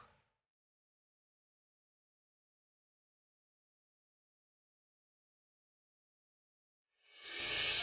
ini rumah lo